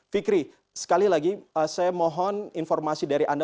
fikri sekali lagi saya mohon informasi dari anda